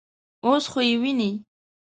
_اوس خو يې وينې.